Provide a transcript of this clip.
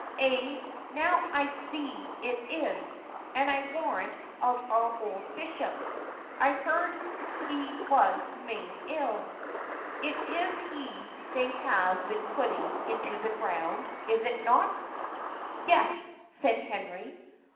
ay, now I see it is; and I warrant of our old bishop I heard he was main ill. It is he they have been putting into the ground! is not it?" "Yes," said Henry.